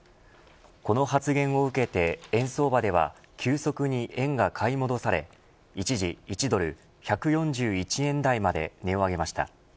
この発言を受けて、円相場では急速に円が買い戻され一時１ドル１４１円台まで値を上げました。